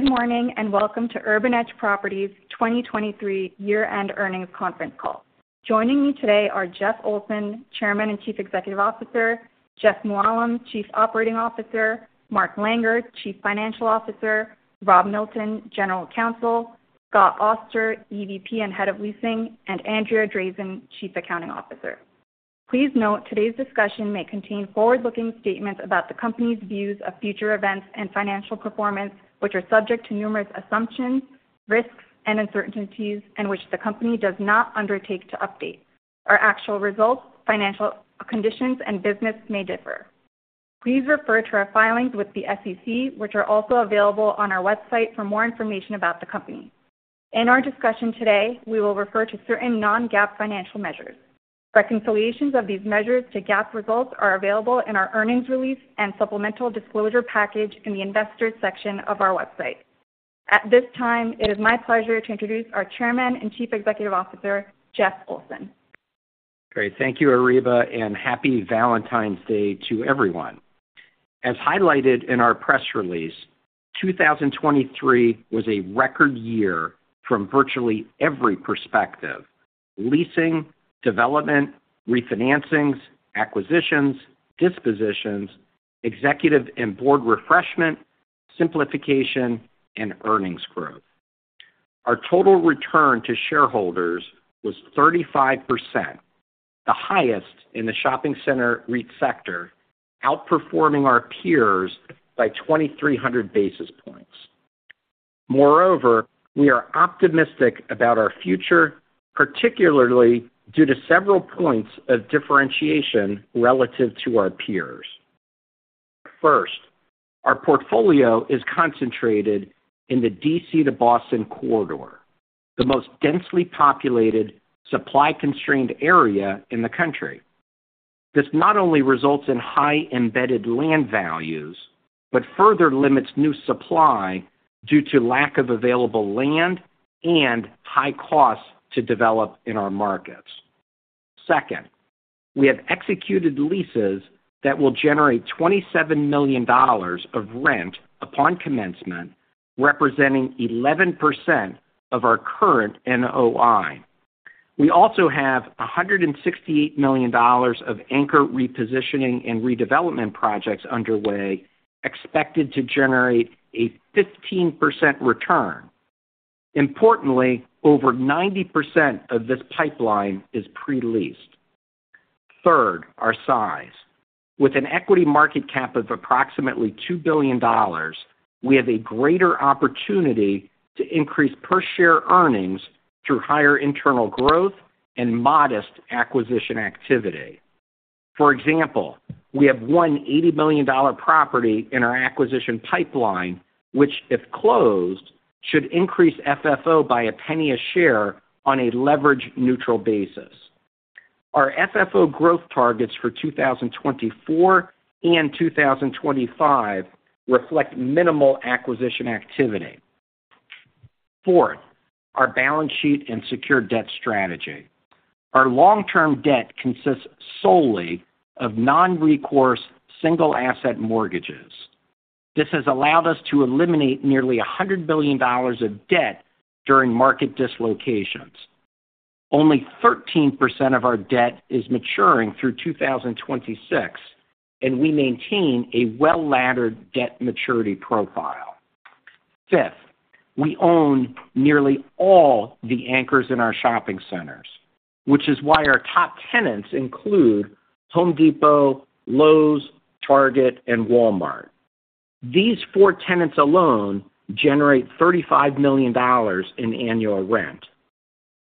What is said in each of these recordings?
Good morning and welcome to Urban Edge Properties' 2023 year-end earnings conference call. Joining me today are Jeff Olson, Chairman and Chief Executive Officer, Jeff Mooallem, Chief Operating Officer, Mark Langer, Chief Financial Officer, Rob Milton, General Counsel, Scott Auster, EVP and Head of Leasing, and Andrea Drazin, Chief Accounting Officer. Please note today's discussion may contain forward-looking statements about the company's views of future events and financial performance, which are subject to numerous assumptions, risks, and uncertainties in which the company does not undertake to update. Our actual results, financial conditions, and business may differ. Please refer to our filings with the SEC, which are also available on our website for more information about the company. In our discussion today, we will refer to certain non-GAAP financial measures. Reconciliations of these measures to GAAP results are available in our earnings release and supplemental disclosure package in the Investors section of our website. At this time, it is my pleasure to introduce our Chairman and Chief Executive Officer, Jeff Olson. Great. Thank you, Areeba, and happy Valentine's Day to everyone. As highlighted in our press release, 2023 was a record year from virtually every perspective: leasing, development, refinancings, acquisitions, dispositions, executive and board refreshment, simplification, and earnings growth. Our total return to shareholders was 35%, the highest in the shopping center REIT sector, outperforming our peers by 2,300 basis points. Moreover, we are optimistic about our future, particularly due to several points of differentiation relative to our peers. First, our portfolio is concentrated in the D.C. to Boston corridor, the most densely populated supply-constrained area in the country. This not only results in high embedded land values but further limits new supply due to lack of available land and high costs to develop in our markets. Second, we have executed leases that will generate $27 million of rent upon commencement, representing 11% of our current NOI. We also have $168 million of anchor repositioning and redevelopment projects underway, expected to generate a 15% return. Importantly, over 90% of this pipeline is pre-leased. Third, our size. With an equity market cap of approximately $2 billion, we have a greater opportunity to increase per-share earnings through higher internal growth and modest acquisition activity. For example, we have one $80 million property in our acquisition pipeline, which, if closed, should increase FFO by a penny a share on a leverage-neutral basis. Our FFO growth targets for 2024 and 2025 reflect minimal acquisition activity. Fourth, our balance sheet and secure debt strategy. Our long-term debt consists solely of non-recourse single asset mortgages. This has allowed us to eliminate nearly $100 billion of debt during market dislocations. Only 13% of our debt is maturing through 2026, and we maintain a well-laddered debt maturity profile. Fifth, we own nearly all the anchors in our shopping centers, which is why our top tenants include Home Depot, Lowe's, Target, and Walmart. These four tenants alone generate $35 million in annual rent.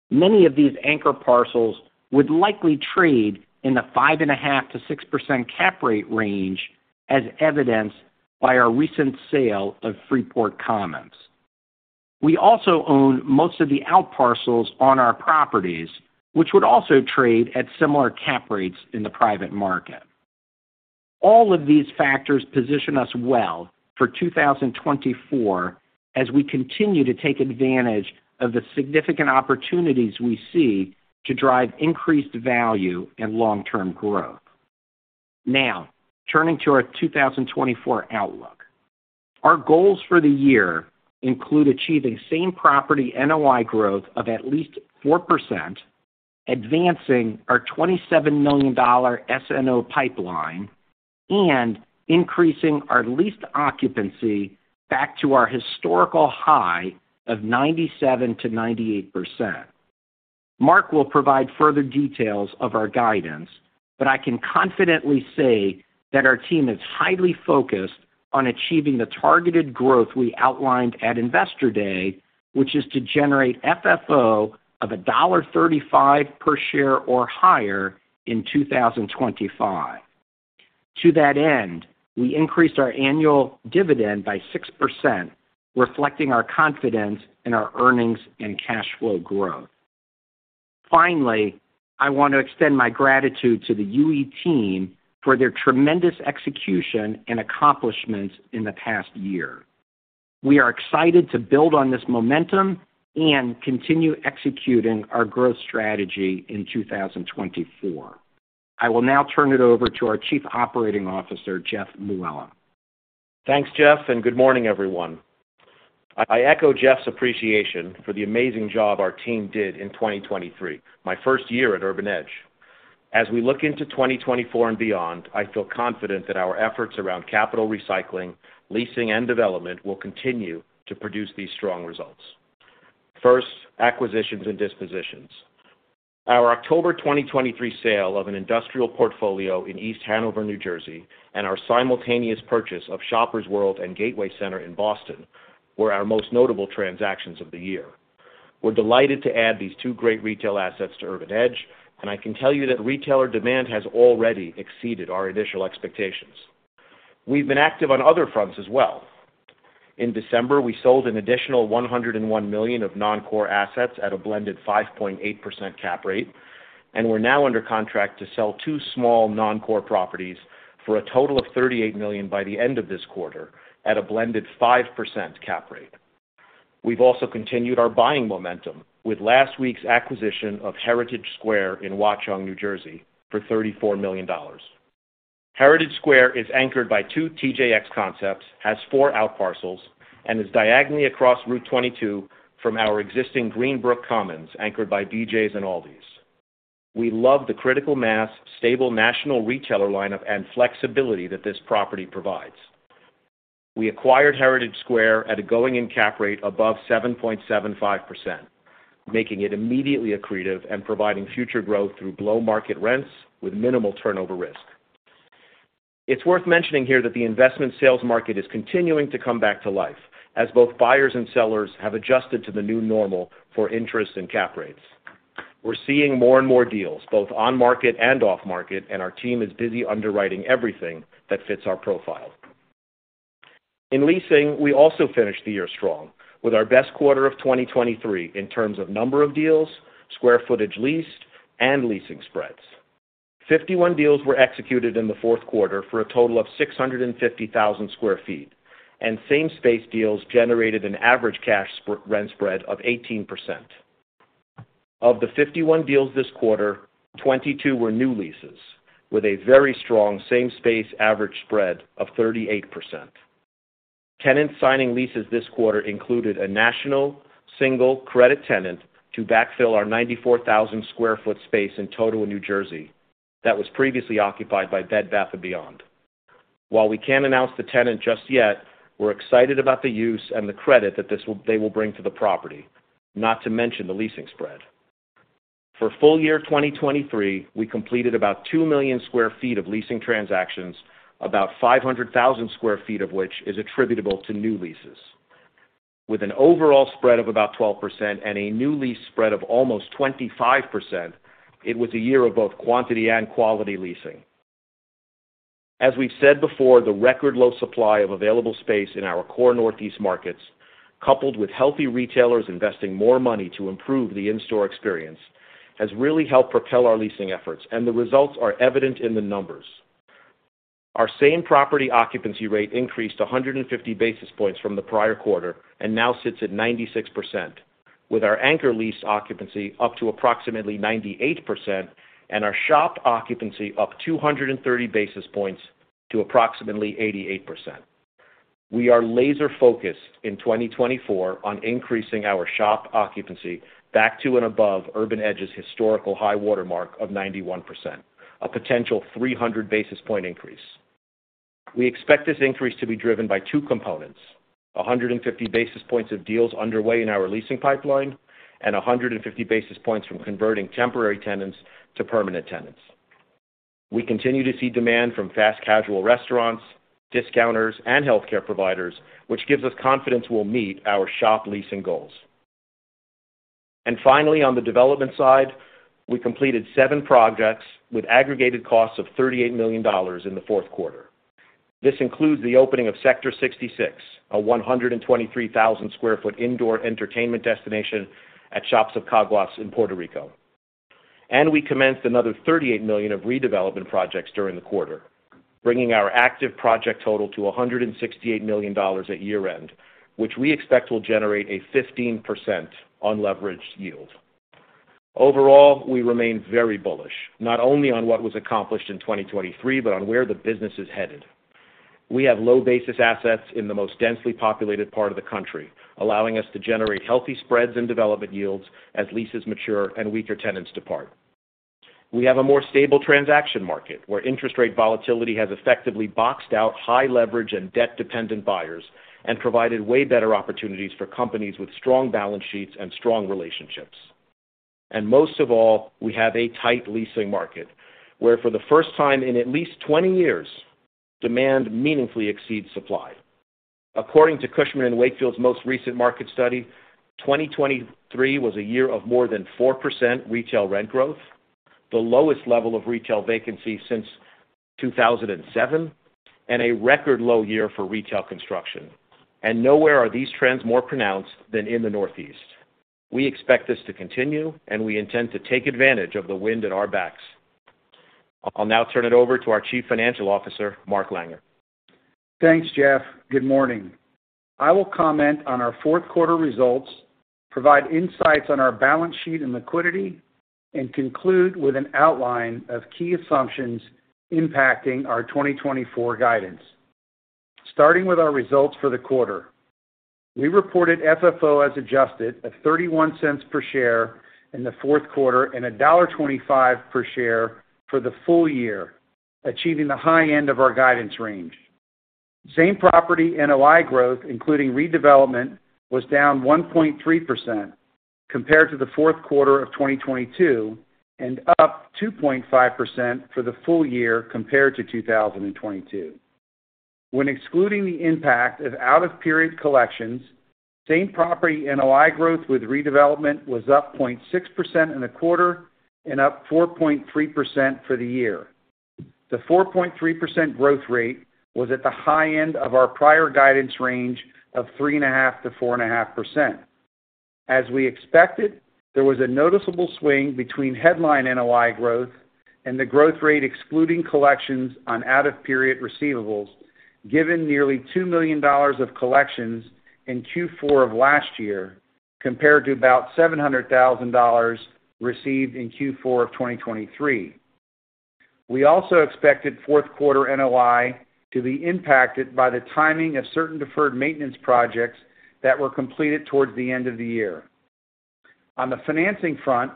Many of these anchor parcels would likely trade in the 5.5%-6% cap rate range, as evidenced by our recent sale of Freeport Commons. We also own most of the out-parcels on our properties, which would also trade at similar cap rates in the private market. All of these factors position us well for 2024 as we continue to take advantage of the significant opportunities we see to drive increased value and long-term growth. Now, turning to our 2024 outlook. Our goals for the year include achieving same property NOI growth of at least 4%, advancing our $27 million SNO pipeline, and increasing our leased occupancy back to our historical high of 97%-98%. Mark will provide further details of our guidance, but I can confidently say that our team is highly focused on achieving the targeted growth we outlined at Investor Day, which is to generate FFO of $1.35 per share or higher in 2025. To that end, we increased our annual dividend by 6%, reflecting our confidence in our earnings and cash flow growth. Finally, I want to extend my gratitude to the UE team for their tremendous execution and accomplishments in the past year. We are excited to build on this momentum and continue executing our growth strategy in 2024. I will now turn it over to our Chief Operating Officer, Jeff Mooallem. Thanks, Jeff, and good morning, everyone. I echo Jeff's appreciation for the amazing job our team did in 2023, my first year at Urban Edge. As we look into 2024 and beyond, I feel confident that our efforts around capital recycling, leasing, and development will continue to produce these strong results. First, acquisitions and dispositions. Our October 2023 sale of an industrial portfolio in East Hanover, New Jersey, and our simultaneous purchase of Shoppers World and Gateway Center in Boston were our most notable transactions of the year. We're delighted to add these two great retail assets to Urban Edge, and I can tell you that retailer demand has already exceeded our initial expectations. We've been active on other fronts as well. In December, we sold an additional $101 million of non-core assets at a blended 5.8% cap rate, and we're now under contract to sell two small non-core properties for a total of $38 million by the end of this quarter at a blended 5% cap rate. We've also continued our buying momentum with last week's acquisition of Heritage Square in Watchung, New Jersey, for $34 million. Heritage Square is anchored by two TJX concepts, has four out-parcels, and is diagonally across Route 22 from our existing Greenbrook Commons, anchored by BJ's and ALDI's. We love the critical mass, stable national retailer lineup, and flexibility that this property provides. We acquired Heritage Square at a going-in cap rate above 7.75%, making it immediately accretive and providing future growth through below market rents with minimal turnover risk. It's worth mentioning here that the investment sales market is continuing to come back to life, as both buyers and sellers have adjusted to the new normal for interest and cap rates. We're seeing more and more deals, both on market and off market, and our team is busy underwriting everything that fits our profile. In leasing, we also finished the year strong, with our best quarter of 2023 in terms of number of deals, square footage leased, and leasing spreads. 51 deals were executed in the fourth quarter for a total of 650,000 sq ft, and same space deals generated an average cash rent spread of 18%. Of the 51 deals this quarter, 22 were new leases, with a very strong same space average spread of 38%. Tenants signing leases this quarter included a national single credit tenant to backfill our 94,000 sq ft space in Totowa, New Jersey, that was previously occupied by Bed Bath & Beyond. While we can't announce the tenant just yet, we're excited about the use and the credit that they will bring to the property, not to mention the leasing spread. For full year 2023, we completed about 2 million sq ft of leasing transactions, about 500,000 sq ft of which is attributable to new leases. With an overall spread of about 12% and a new lease spread of almost 25%, it was a year of both quantity and quality leasing. As we've said before, the record low supply of available space in our core northeast markets, coupled with healthy retailers investing more money to improve the in-store experience, has really helped propel our leasing efforts, and the results are evident in the numbers. Our same property occupancy rate increased 150 basis points from the prior quarter and now sits at 96%, with our anchor lease occupancy up to approximately 98% and our shop occupancy up 230 basis points to approximately 88%. We are laser-focused in 2024 on increasing our shop occupancy back to and above Urban Edge's historical high watermark of 91%, a potential 300 basis point increase. We expect this increase to be driven by two components: 150 basis points of deals underway in our leasing pipeline and 150 basis points from converting temporary tenants to permanent tenants. We continue to see demand from fast casual restaurants, discounters, and healthcare providers, which gives us confidence we'll meet our shop leasing goals. And finally, on the development side, we completed seven projects with aggregated costs of $38 million in the fourth quarter. This includes the opening of Sector Sixty6, a 123,000 sq ft indoor entertainment destination at Shops at Caguas in Puerto Rico. And we commenced another $38 million of redevelopment projects during the quarter, bringing our active project total to $168 million at year-end, which we expect will generate a 15% unleveraged yield. Overall, we remain very bullish, not only on what was accomplished in 2023 but on where the business is headed. We have low basis assets in the most densely populated part of the country, allowing us to generate healthy spreads and development yields as leases mature and weaker tenants depart. We have a more stable transaction market, where interest rate volatility has effectively boxed out high leverage and debt-dependent buyers and provided way better opportunities for companies with strong balance sheets and strong relationships. And most of all, we have a tight leasing market, where for the first time in at least 20 years, demand meaningfully exceeds supply. According to Cushman & Wakefield's most recent market study, 2023 was a year of more than 4% retail rent growth, the lowest level of retail vacancy since 2007, and a record low year for retail construction, and nowhere are these trends more pronounced than in the northeast. We expect this to continue, and we intend to take advantage of the wind at our backs. I'll now turn it over to our Chief Financial Officer, Mark Langer. Thanks, Jeff. Good morning. I will comment on our fourth quarter results, provide insights on our balance sheet and liquidity, and conclude with an outline of key assumptions impacting our 2024 guidance. Starting with our results for the quarter. We reported FFO as adjusted of $0.31 per share in the fourth quarter and $1.25 per share for the full year, achieving the high end of our guidance range. Same property NOI growth, including redevelopment, was down 1.3% compared to the fourth quarter of 2022 and up 2.5% for the full year compared to 2022. When excluding the impact of out-of-period collections, same property NOI growth with redevelopment was up 0.6% in the quarter and up 4.3% for the year. The 4.3% growth rate was at the high end of our prior guidance range of 3.5%-4.5%. As we expected, there was a noticeable swing between headline NOI growth and the growth rate excluding collections on out-of-period receivables, given nearly $2 million of collections in Q4 of last year compared to about $700,000 received in Q4 of 2023. We also expected fourth quarter NOI to be impacted by the timing of certain deferred maintenance projects that were completed towards the end of the year. On the financing front,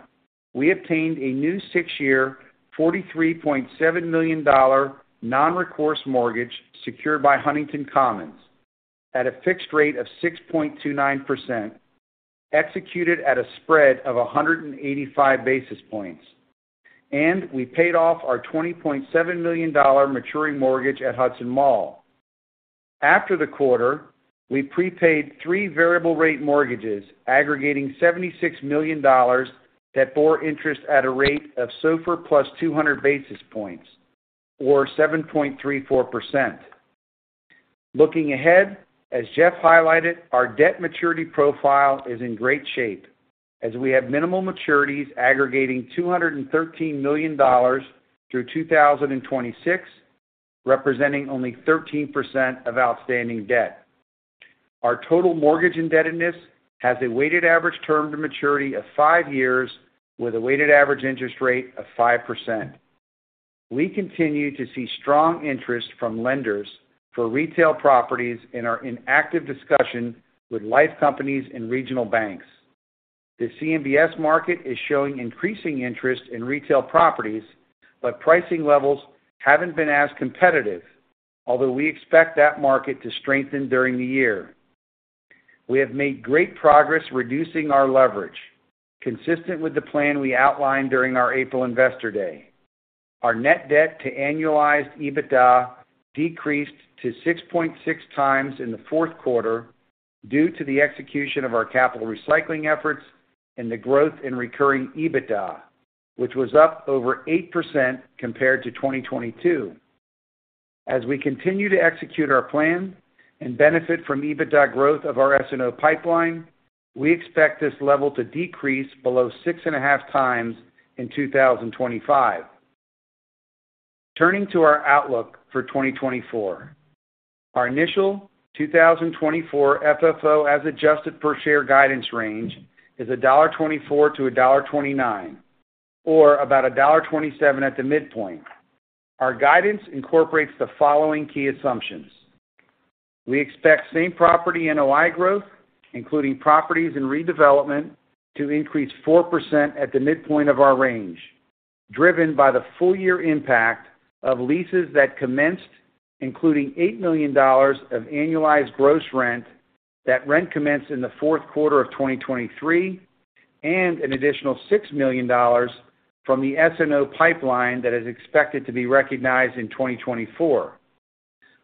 we obtained a new six-year $43.7 million non-recourse mortgage secured by Huntington Commons at a fixed rate of 6.29%, executed at a spread of 185 basis points, and we paid off our $20.7 million maturing mortgage at Hudson Mall. After the quarter, we prepaid three variable-rate mortgages, aggregating $76 million, that bore interest at a rate of SOFR plus 200 basis points, or 7.34%. Looking ahead, as Jeff highlighted, our debt maturity profile is in great shape, as we have minimal maturities aggregating $213 million through 2026, representing only 13% of outstanding debt. Our total mortgage indebtedness has a weighted average term to maturity of five years with a weighted average interest rate of 5%. We continue to see strong interest from lenders for retail properties in our inactive discussion with life companies and regional banks. The CMBS market is showing increasing interest in retail properties, but pricing levels haven't been as competitive, although we expect that market to strengthen during the year. We have made great progress reducing our leverage, consistent with the plan we outlined during our April Investor Day. Our net debt to annualized EBITDA decreased to 6.6x in the fourth quarter due to the execution of our capital recycling efforts and the growth in recurring EBITDA, which was up over 8% compared to 2022. As we continue to execute our plan and benefit from EBITDA growth of our S&O pipeline, we expect this level to decrease below 6.5x in 2025. Turning to our outlook for 2024. Our initial 2024 FFO as adjusted per share guidance range is $1.24-$1.29, or about $1.27 at the midpoint. Our guidance incorporates the following key assumptions. We expect Same Property NOI growth, including properties in redevelopment, to increase 4% at the midpoint of our range, driven by the full-year impact of leases that commenced, including $8 million of annualized gross rent that rent commenced in the fourth quarter of 2023, and an additional $6 million from the S&O Pipeline that is expected to be recognized in 2024.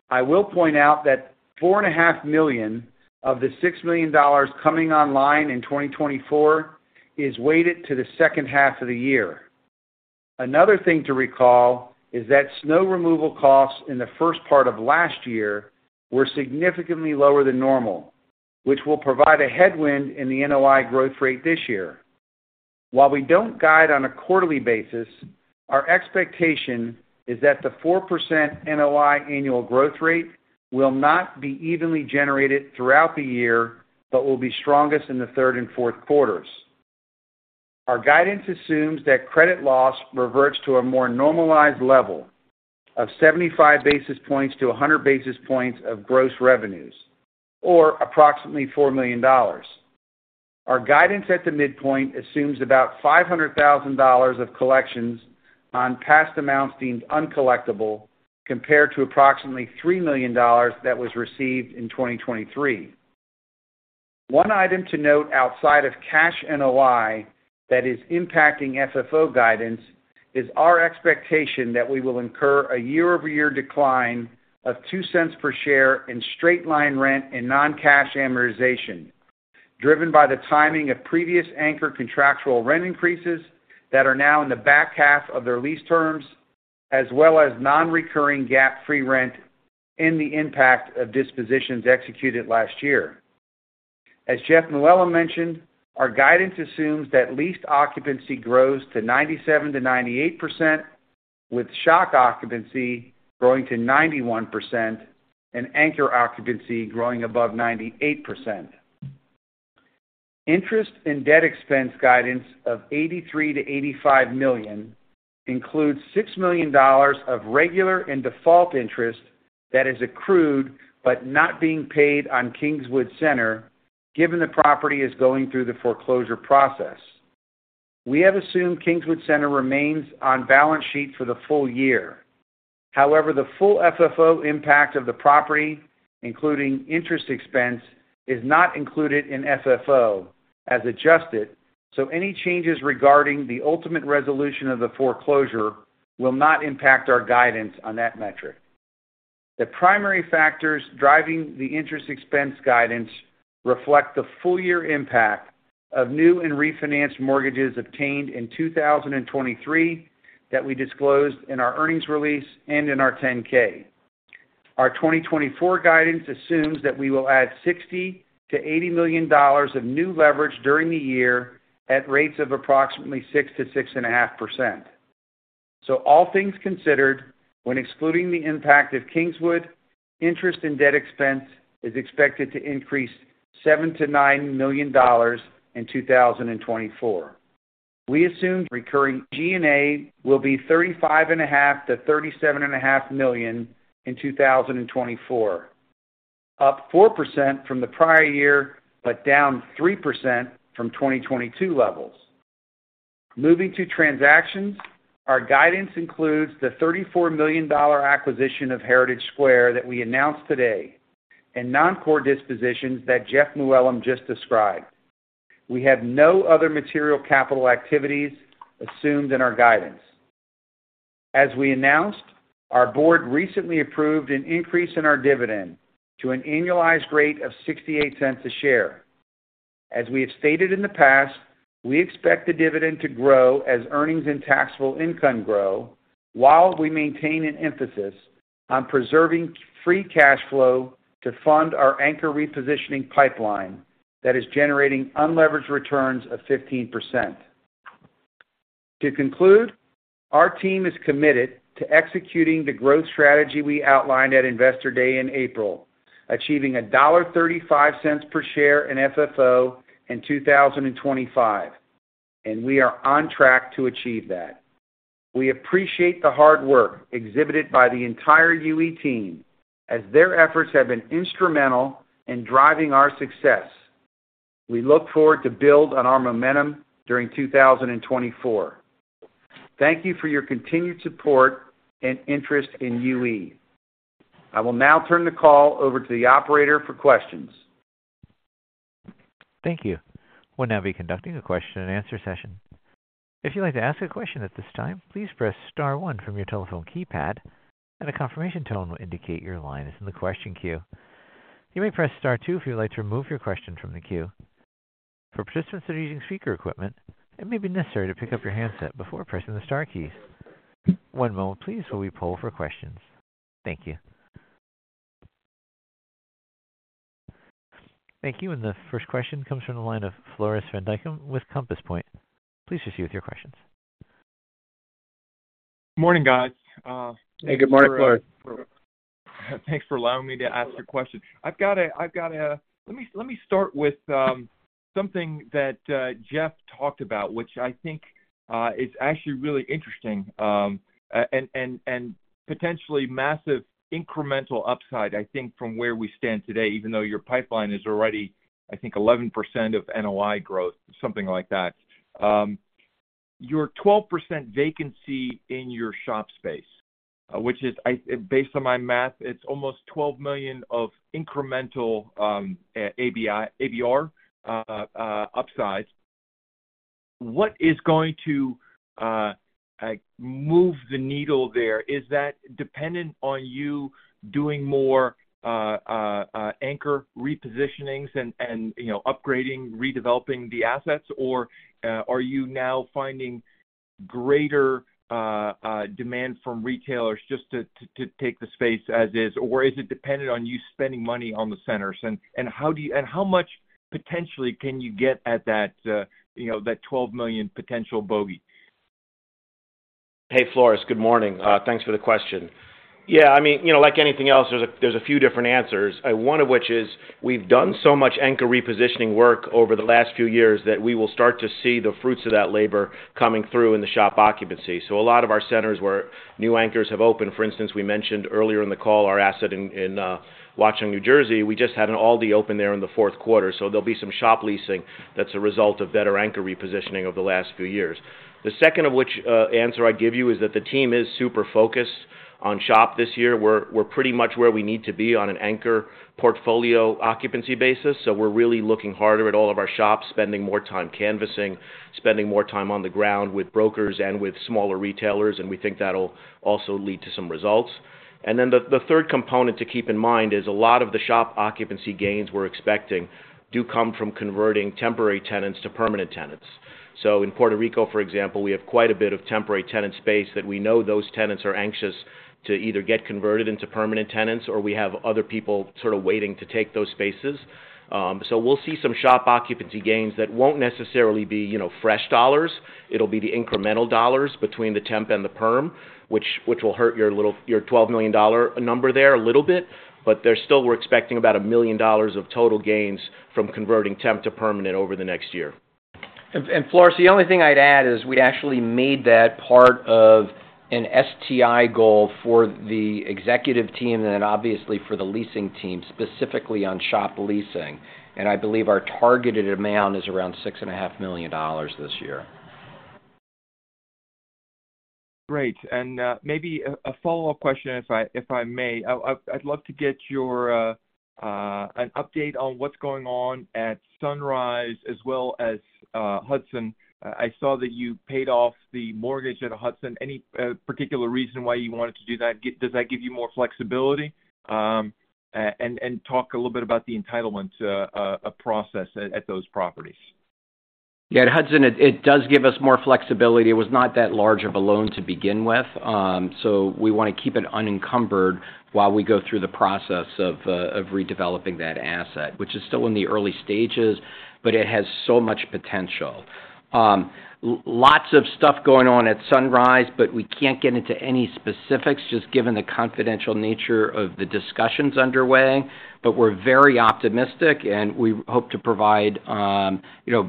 I will point out that $4.5 million of the $6 million coming online in 2024 is weighted to the second half of the year. Another thing to recall is that snow removal costs in the first part of last year were significantly lower than normal, which will provide a headwind in the NOI growth rate this year. While we don't guide on a quarterly basis, our expectation is that the 4% NOI annual growth rate will not be evenly generated throughout the year but will be strongest in the third and fourth quarters. Our guidance assumes that credit loss reverts to a more normalized level of 75-100 basis points of gross revenues, or approximately $4 million. Our guidance at the midpoint assumes about $500,000 of collections on past amounts deemed uncollectible compared to approximately $3 million that was received in 2023. One item to note outside of cash NOI that is impacting FFO guidance is our expectation that we will incur a year-over-year decline of $0.02 per share in straight-line rent and non-cash amortization, driven by the timing of previous anchor contractual rent increases that are now in the back half of their lease terms, as well as non-recurring GAAP-free rent and the impact of dispositions executed last year. As Jeff Mooallem mentioned, our guidance assumes that leased occupancy grows to 97%-98%, with shop occupancy growing to 91% and anchor occupancy growing above 98%. Interest and debt expense guidance of $83 million-$85 million includes $6 million of regular and default interest that is accrued but not being paid on Kingswood Center, given the property is going through the foreclosure process. We have assumed Kingswood Center remains on balance sheet for the full year. However, the full FFO impact of the property, including interest expense, is not included in FFO as adjusted, so any changes regarding the ultimate resolution of the foreclosure will not impact our guidance on that metric. The primary factors driving the interest expense guidance reflect the full-year impact of new and refinanced mortgages obtained in 2023 that we disclosed in our earnings release and in our 10-K. Our 2024 guidance assumes that we will add $60 million-$80 million of new leverage during the year at rates of approximately 6%-6.5%. So all things considered, when excluding the impact of Kingswood, interest and debt expense is expected to increase $7 million-$9 million in 2024. We assumed recurring G&A will be $35.5 million-$37.5 million in 2024, up 4% from the prior year but down 3% from 2022 levels. Moving to transactions, our guidance includes the $34 million acquisition of Heritage Square that we announced today and non-core dispositions that Jeff Mooallem just described. We have no other material capital activities assumed in our guidance. As we announced, our board recently approved an increase in our dividend to an annualized rate of $0.68 per share. As we have stated in the past, we expect the dividend to grow as earnings and taxable income grow while we maintain an emphasis on preserving free cash flow to fund our anchor repositioning pipeline that is generating unleveraged returns of 15%. To conclude, our team is committed to executing the growth strategy we outlined at Investor Day in April, achieving $1.35 per share in FFO in 2025, and we are on track to achieve that. We appreciate the hard work exhibited by the entire UE team as their efforts have been instrumental in driving our success. We look forward to building on our momentum during 2024. Thank you for your continued support and interest in UE. I will now turn the call over to the operator for questions. Thank you. We're now conducting a question-and-answer session. If you'd like to ask a question at this time, please press star one from your telephone keypad, and a confirmation tone will indicate your line is in the question queue. You may press star two if you'd like to remove your question from the queue. For participants that are using speaker equipment, it may be necessary to pick up your handset before pressing the star keys. One moment, please, while we pull for questions. Thank you. Thank you, and the first question comes from the line of Floris van Dijkum with Compass Point. Please proceed with your questions. Morning, guys. Hey, good morning, Floris. Thanks for allowing me to ask your question. I've got a let me start with something that Jeff talked about, which I think is actually really interesting and potentially massive incremental upside, I think, from where we stand today, even though your pipeline is already, I think, 11% of NOI growth, something like that. Your 12% vacancy in your shop space, which is based on my math, it's almost $12 million of incremental ABR upside. What is going to move the needle there? Is that dependent on you doing more anchor repositionings and upgrading, redeveloping the assets, or are you now finding greater demand from retailers just to take the space as is, or is it dependent on you spending money on the centers? And how much potentially can you get at that $12 million potential bogey? Hey, Floris. Good morning. Thanks for the question. Yeah, I mean, like anything else, there's a few different answers, one of which is we've done so much anchor repositioning work over the last few years that we will start to see the fruits of that labor coming through in the shop occupancy. So a lot of our centers where new anchors have opened, for instance, we mentioned earlier in the call our asset in Watchung, New Jersey. We just had an ALDI open there in the fourth quarter, so there'll be some shop leasing that's a result of better anchor repositioning over the last few years. The second of which answer I'd give you is that the team is super focused on shop this year. We're pretty much where we need to be on an anchor portfolio occupancy basis, so we're really looking harder at all of our shops, spending more time canvassing, spending more time on the ground with brokers and with smaller retailers, and we think that'll also lead to some results. And then the third component to keep in mind is a lot of the shop occupancy gains we're expecting do come from converting temporary tenants to permanent tenants. So in Puerto Rico, for example, we have quite a bit of temporary tenant space that we know those tenants are anxious to either get converted into permanent tenants or we have other people sort of waiting to take those spaces. So we'll see some shop occupancy gains that won't necessarily be fresh dollars. It'll be the incremental dollars between the temp and the perm, which will hurt your $12 million number there a little bit, but there still we're expecting about $1 million of total gains from converting temp to permanent over the next year. Floris, the only thing I'd add is we actually made that part of an STI goal for the executive team and then obviously for the leasing team, specifically on shop leasing, and I believe our targeted amount is around $6.5 million this year. Great. And maybe a follow-up question, if I may. I'd love to get an update on what's going on at Sunrise as well as Hudson. I saw that you paid off the mortgage at Hudson. Any particular reason why you wanted to do that? Does that give you more flexibility? And talk a little bit about the entitlement process at those properties. Yeah, at Hudson, it does give us more flexibility. It was not that large of a loan to begin with, so we want to keep it unencumbered while we go through the process of redeveloping that asset, which is still in the early stages, but it has so much potential. Lots of stuff going on at Sunrise, but we can't get into any specifics just given the confidential nature of the discussions underway, but we're very optimistic and we hope to provide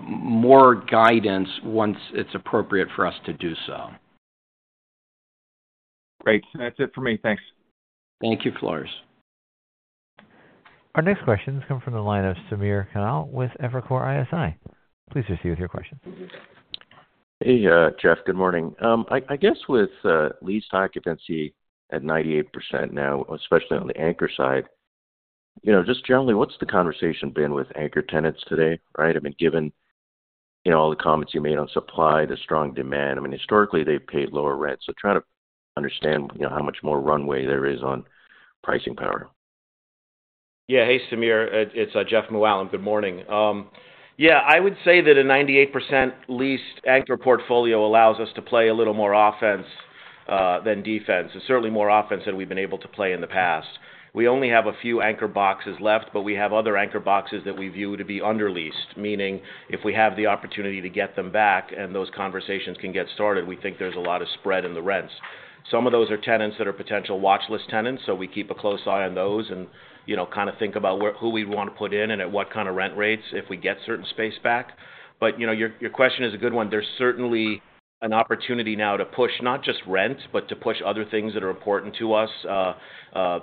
more guidance once it's appropriate for us to do so. Great. That's it for me. Thanks. Thank you, Floris. Our next questions come from the line of Samir Khanal with Evercore ISI. Please proceed with your question. Hey, Jeff. Good morning. I guess with leased occupancy at 98% now, especially on the anchor side, just generally, what's the conversation been with anchor tenants today, right? I mean, given all the comments you made on supply, the strong demand, I mean, historically, they've paid lower rent, so try to understand how much more runway there is on pricing power. Yeah. Hey, Samir. It's Jeff Mooallem. Good morning. Yeah, I would say that a 98% leased anchor portfolio allows us to play a little more offense than defense, certainly more offense than we've been able to play in the past. We only have a few anchor boxes left, but we have other anchor boxes that we view to be underleased, meaning if we have the opportunity to get them back and those conversations can get started, we think there's a lot of spread in the rents. Some of those are tenants that are potential watchlist tenants, so we keep a close eye on those and kind of think about who we want to put in and at what kind of rent rates if we get certain space back. But your question is a good one. There's certainly an opportunity now to push not just rent but to push other things that are important to us,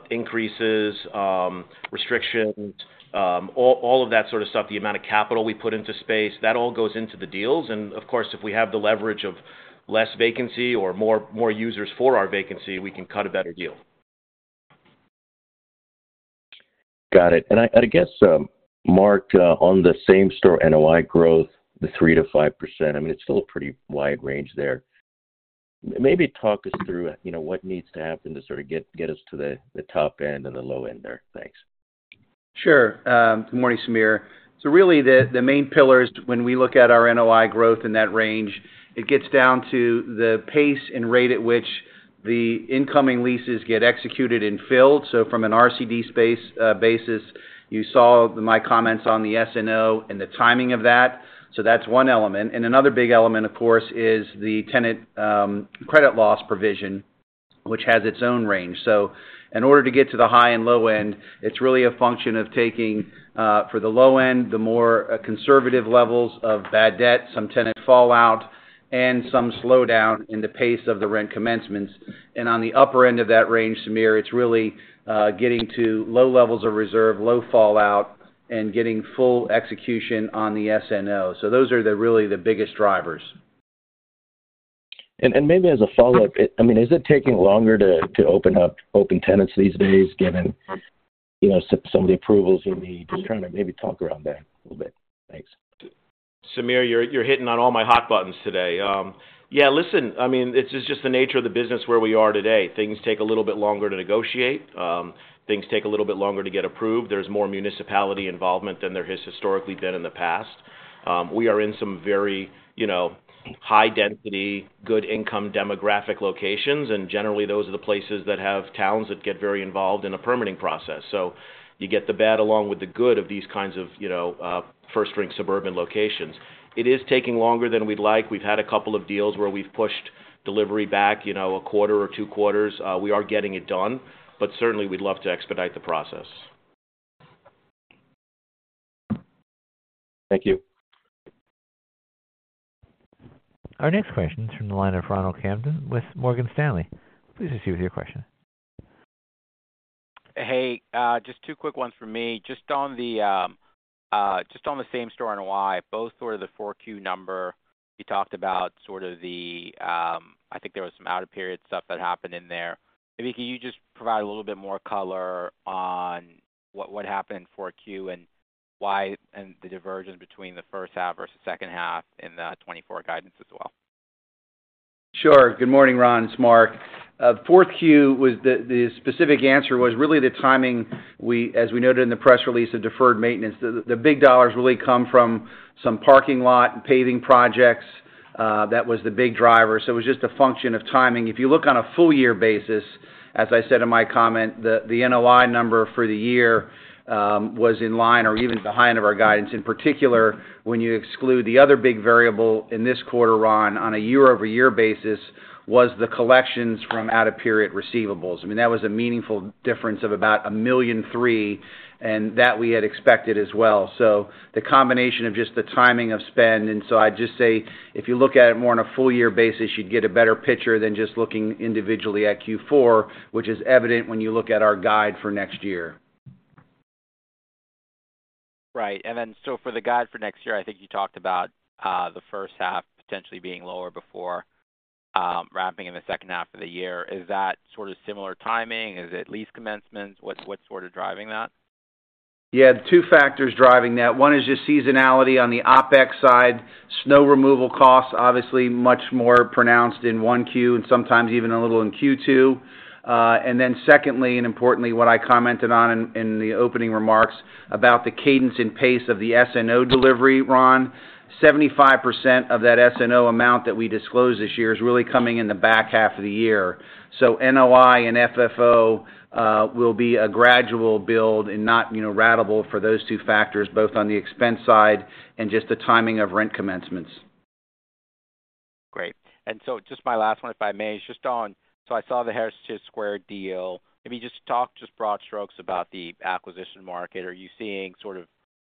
increases, restrictions, all of that sort of stuff, the amount of capital we put into space, that all goes into the deals. And of course, if we have the leverage of less vacancy or more users for our vacancy, we can cut a better deal. Got it. And I guess, Mark, on the same store NOI growth, the 3%-5%, I mean, it's still a pretty wide range there. Maybe talk us through what needs to happen to sort of get us to the top end and the low end there. Thanks. Sure. Good morning, Samir. Really, the main pillars, when we look at our NOI growth in that range, it gets down to the pace and rate at which the incoming leases get executed and filled. From an RCD space basis, you saw my comments on the S&O and the timing of that, so that's one element. Another big element, of course, is the tenant credit loss provision, which has its own range. In order to get to the high and low end, it's really a function of taking, for the low end, the more conservative levels of bad debt, some tenant fallout, and some slowdown in the pace of the rent commencements. On the upper end of that range, Samir, it's really getting to low levels of reserve, low fallout, and getting full execution on the S&O. Those are really the biggest drivers. Maybe as a follow-up, I mean, is it taking longer to open up open tenants these days given some of the approvals you need? Just trying to maybe talk around that a little bit. Thanks. Samir, you're hitting on all my hot buttons today. Yeah, listen, I mean, it's just the nature of the business where we are today. Things take a little bit longer to negotiate. Things take a little bit longer to get approved. There's more municipality involvement than there has historically been in the past. We are in some very high-density, good-income demographic locations, and generally, those are the places that have towns that get very involved in the permitting process. So you get the bad along with the good of these kinds of first-ring suburban locations. It is taking longer than we'd like. We've had a couple of deals where we've pushed delivery back a quarter or two quarters. We are getting it done, but certainly, we'd love to expedite the process. Thank you. Our next question's from the line of Ronald Kamden with Morgan Stanley. Please proceed with your question. Hey, just two quick ones from me. Just on the same store NOI, both sort of the 4Q number you talked about, sort of the I think there was some out-of-period stuff that happened in there. Maybe can you just provide a little bit more color on what happened in 4Q and the divergence between the first half versus second half in the 2024 guidance as well? Sure. Good morning Ron, its Mark. 4Q, the specific answer was really the timing, as we noted in the press release, of deferred maintenance. The big dollars really come from some parking lot paving projects. That was the big driver. So it was just a function of timing. If you look on a full-year basis, as I said in my comment, the NOI number for the year was in line or even behind of our guidance. In particular, when you exclude the other big variable in this quarter, Ron, on a year-over-year basis, was the collections from out-of-period receivables. I mean, that was a meaningful difference of about $1.3 million, and that we had expected as well. So the combination of just the timing of spend. And so I'd just say if you look at it more on a full-year basis, you'd get a better picture than just looking individually at Q4, which is evident when you look at our guide for next year. Right. And then so for the guide for next year, I think you talked about the first half potentially being lower before wrapping in the second half of the year. Is that sort of similar timing? Is it lease commencements? What's sort of driving that? Yeah, two factors driving that. One is just seasonality on the OpEx side, snow removal costs, obviously, much more pronounced in 1Q and sometimes even a little in Q2. And then secondly, and importantly, what I commented on in the opening remarks about the cadence and pace of the S&O delivery, Ron, 75% of that S&O amount that we disclose this year is really coming in the back half of the year. So NOI and FFO will be a gradual build and not ratable for those two factors, both on the expense side and just the timing of rent commencements. Great. Just my last one, if I may, is just on so I saw the Heritage Square deal. Maybe just talk just broad strokes about the acquisition market. Are you seeing sort of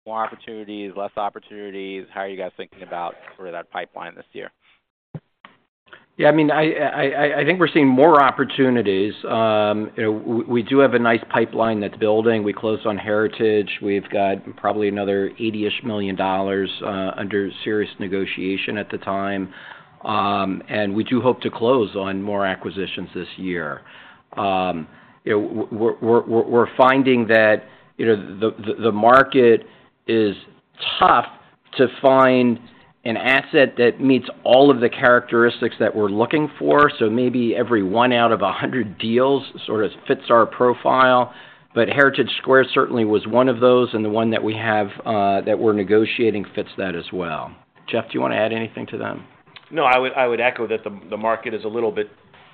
more opportunities, less opportunities? How are you guys thinking about sort of that pipeline this year? Yeah, I mean, I think we're seeing more opportunities. We do have a nice pipeline that's building. We closed on Heritage. We've got probably another $80-ish million under serious negotiation at the time, and we do hope to close on more acquisitions this year. We're finding that the market is tough to find an asset that meets all of the characteristics that we're looking for, so maybe every one out of 100 deals sort of fits our profile, but Heritage Square certainly was one of those, and the one that we have that we're negotiating fits that as well. Jeff, do you want to add anything to that? No, I would echo that the market is a little bit.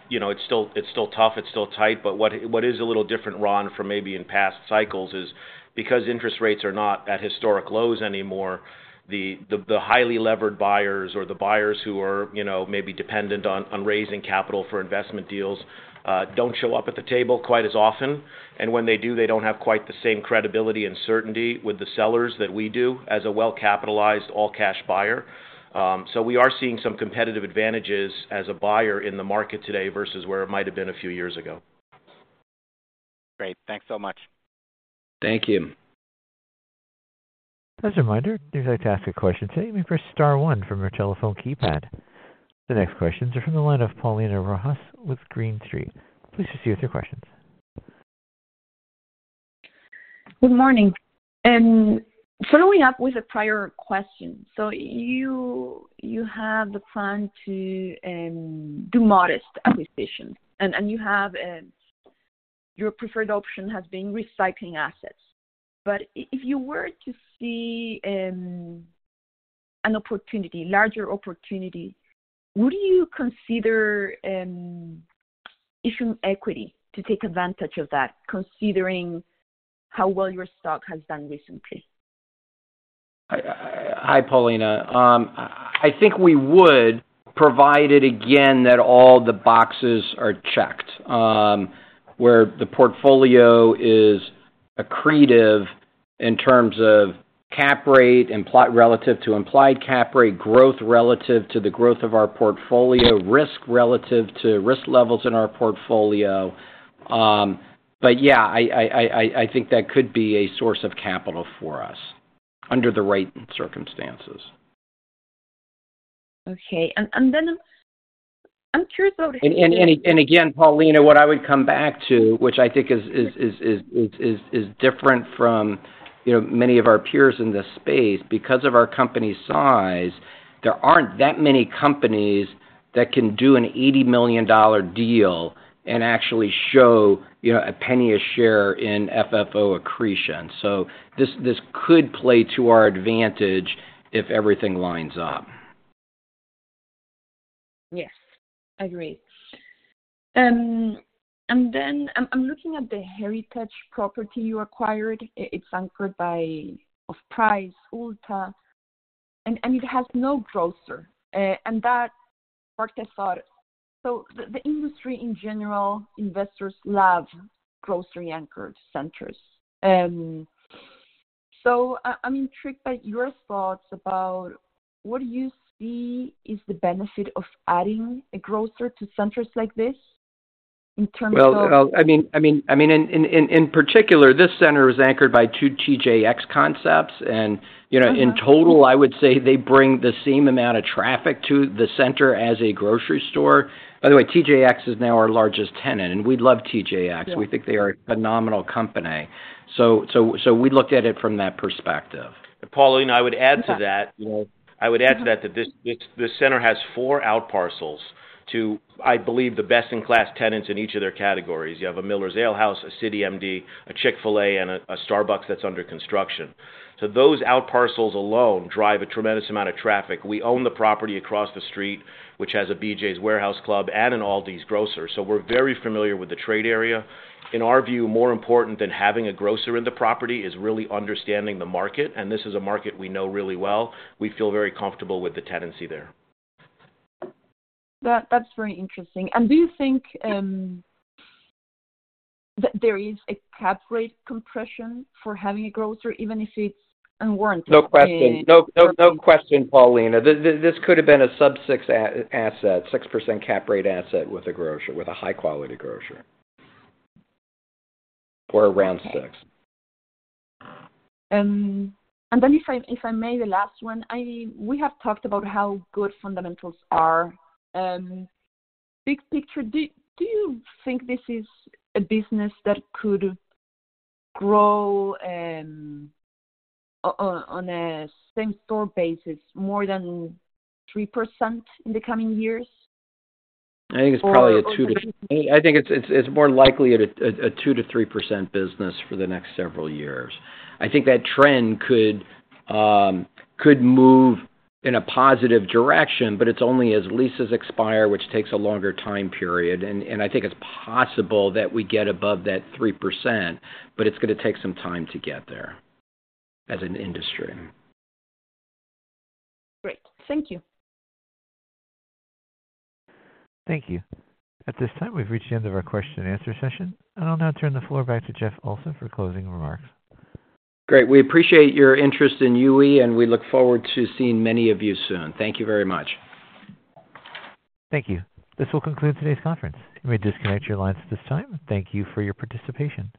It's still tough. It's still tight. But what is a little different, Ron, from maybe in past cycles is because interest rates are not at historic lows anymore, the highly levered buyers or the buyers who are maybe dependent on raising capital for investment deals don't show up at the table quite as often. And when they do, they don't have quite the same credibility and certainty with the sellers that we do as a well-capitalized all-cash buyer. So we are seeing some competitive advantages as a buyer in the market today versus where it might have been a few years ago. Great. Thanks so much. Thank you. As a reminder, to ask a question today, press star one on your telephone keypad. The next questions are from the line of Paulina Rojas with Green Street. Please proceed with your questions. Good morning. Following up with a prior question, so you have the plan to do modest acquisitions, and your preferred option has been recycling assets. But if you were to see an opportunity, larger opportunity, would you consider issuing equity to take advantage of that, considering how well your stock has done recently? Hi, Paulina. I think we would provided again that all the boxes are checked, where the portfolio is accretive in terms of cap rate and relative to implied cap rate, growth relative to the growth of our portfolio, risk relative to risk levels in our portfolio. But yeah, I think that could be a source of capital for us under the right circumstances. Okay. And then I'm curious about. Again, Paulina, what I would come back to, which I think is different from many of our peers in this space, because of our company's size, there aren't that many companies that can do an $80 million deal and actually show $0.01 per share in FFO accretion. So this could play to our advantage if everything lines up. Yes, agreed. And then I'm looking at the Heritage Square property you acquired. It's anchored by off-price, Ulta, and it has no grocer. And that part, I thought so the industry in general, investors love grocery-anchored centers. So I'm intrigued by your thoughts about what do you see is the benefit of adding a grocer to centers like this in terms of. Well, I mean, in particular, this center is anchored by two TJX concepts. In total, I would say they bring the same amount of traffic to the center as a grocery store. By the way, TJX is now our largest tenant, and we love TJX. We think they are a phenomenal company. We looked at it from that perspective. Paulina, I would add to that. I would add to that that this center has four out parcels to, I believe, the best-in-class tenants in each of their categories. You have a Miller's Ale House, a CityMD, a Chick-fil-A, and a Starbucks that's under construction. So those out parcels alone drive a tremendous amount of traffic. We own the property across the street, which has a BJ's Warehouse Club and an Aldi's grocer. So we're very familiar with the trade area. In our view, more important than having a grocer in the property is really understanding the market, and this is a market we know really well. We feel very comfortable with the tenancy there. That's very interesting. Do you think that there is a cap rate compression for having a grocer even if it's unwarranted? No question. No question, Paulina. This could have been a sub six asset, 6% cap rate asset. With a high-quality grocer or around six. And then if I may, the last one, we have talked about how good fundamentals are. Big picture, do you think this is a business that could grow on a same-store basis more than 3% in the coming years? I think it's probably a 2%-3% business for the next several years. I think that trend could move in a positive direction, but it's only as leases expire, which takes a longer time period. I think it's possible that we get above that 3%, but it's going to take some time to get there as an industry. Great. Thank you. Thank you. At this time, we've reached the end of our question-and-answer session, and I'll now turn the floor back to Jeff Olson for closing remarks. Great. We appreciate your interest in UE, and we look forward to seeing many of you soon. Thank you very much. Thank you. This will conclude today's conference. You may disconnect your lines at this time. Thank you for your participation.